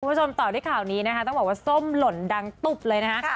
คุณผู้ชมต่อที่ข่าวนี้นะคะต้องบอกว่าส้มหล่นดังตุ๊บเลยนะคะ